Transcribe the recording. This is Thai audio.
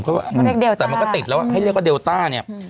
เขาว่าแต่มันก็ติดแล้วให้เรียกว่าเดลต้านี่